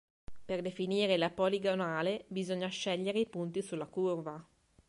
Per definire la poligonale bisogna scegliere i punti sulla curva.